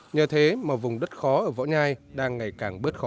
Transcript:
nhờ thế mà vùng đất khó ở võ nhai đang ngày càng bớt khó